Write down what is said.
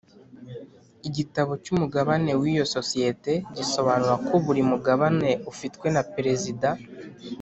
Igitabo cy’umugabane w’iyo sosiyete gisobanura ko buri mugabane ufitwe na Perezida